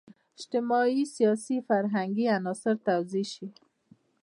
اجتماعي، سیاسي، فرهنګي عناصر توضیح شي.